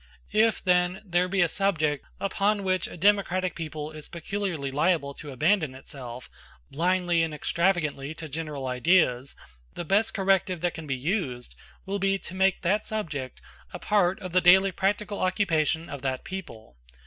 If, then, there be a subject upon which a democratic people is peculiarly liable to abandon itself, blindly and extravagantly, to general ideas, the best corrective that can be used will be to make that subject a part of the daily practical occupation of that people.